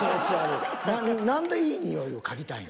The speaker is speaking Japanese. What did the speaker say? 何でいいにおいを嗅ぎたいん？